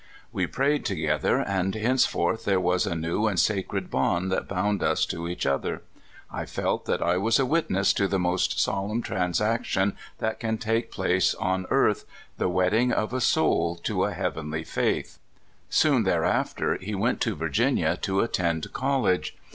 We prayed together, and hence forth there was a new and sacred bond that bound us to each other. I felt that I was a witness to the most solemn transaction that can take place on earth the wedding of a soul to a heavenly faith. Soon thereafter he went to Virginia, to at tend college.